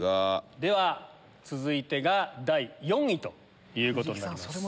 では続いてが第４位ということになります。